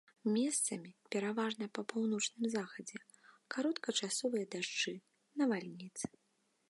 Месцамі, пераважна па паўночным захадзе, кароткачасовыя дажджы, навальніцы.